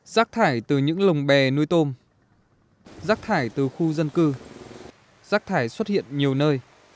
rác thải từ những lồng bè nuôi tôm rác thải từ khu dân cư rác thải xuất hiện nhiều nơi